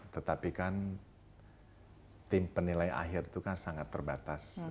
tetapi kan tim penilai akhir itu kan sangat terbatas